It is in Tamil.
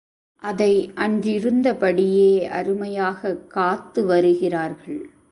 அதை அன்றிருந்தபடியே அருமையாகக் காத்து வருகிறார்கள்.